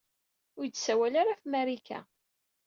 Ur iyi-d-ssawal ara ɣef Marika.